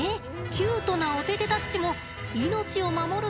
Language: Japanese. キュートなお手々タッチも命を守る